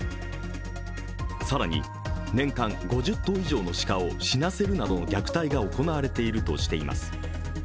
更に年間５０頭以上の鹿を死なせるなどの虐待が行われているとしています。